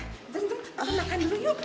jom jom pesen makan dulu yuk